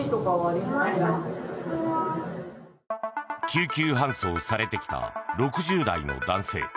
救急搬送されてきた６０代の男性。